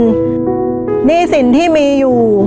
หนี้สินที่มีอยู่